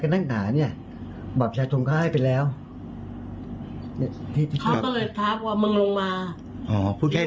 ค่ะมึงลงมาแล้วก็ลุงก็เปิดประชุมตู้ช้า